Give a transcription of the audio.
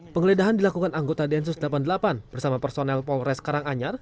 penggeledahan dilakukan anggota densus delapan puluh delapan bersama personel polres karanganyar